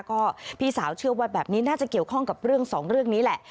ก็พี่สาวเชื่อว่าแบบนี้น่าจะเกี่ยวข้องกับเรื่องสองเรื่องนี้แหละ